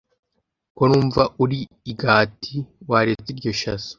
Ko numva uri igati, waretse iryo shaza